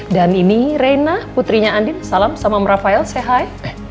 dan ini reina putrinya andin salam sama rafael say hi